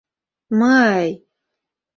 «М-ы-й».